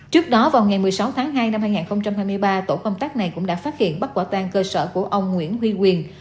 trước đó vào ngày một mươi sáu tháng hai năm hai nghìn hai mươi ba tổ công tác này cũng đã phát hiện bắt quả tang cơ sở của ông nguyễn huy quyền